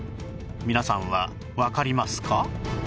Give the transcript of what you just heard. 皆さんはわかりますか？